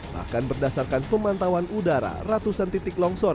bahkan berdasarkan pemantauan udara ratusan titik longsor